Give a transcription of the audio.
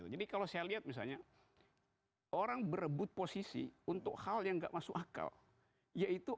kalau saya lihat misalnya orang berebut posisi untuk hal yang nggak masuk akal yaitu